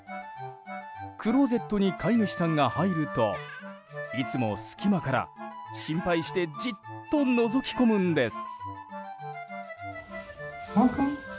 クローゼットに飼い主さんが入るといつも隙間から心配してじっとのぞき込むんです。